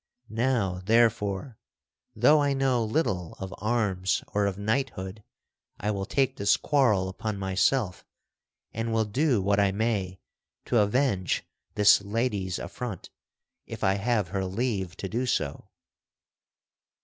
Now, therefore, though I know little of arms or of knighthood, I will take this quarrel upon myself and will do what I may to avenge this lady's affront, if I have her leave to do so."